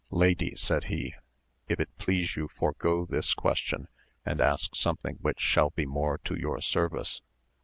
Lady, said he, if it please you forego this question, and ask something which shall be more to your service.